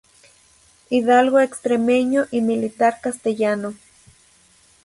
Hidalgo extremeño y militar castellano.